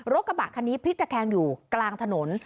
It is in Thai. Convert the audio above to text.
กระบะคันนี้พลิกตะแคงอยู่กลางถนน